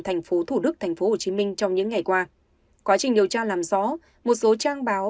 thành phố thủ đức thành phố hồ chí minh trong những ngày qua quá trình điều tra làm rõ một số trang báo